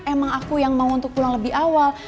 emang aku yang mau untuk pulang lebih awal